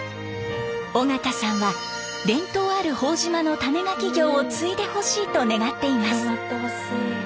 尾形さんは伝統ある朴島の種ガキ業を継いでほしいと願っています。